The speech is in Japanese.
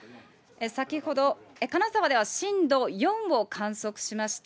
先ほど、金沢では震度４を観測しました。